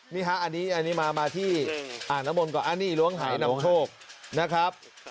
นี่ฮะอันนี้มาที่อ่างน้ำมนต์ก่อนอันนี้ล้วงหายนำโชคนะครับ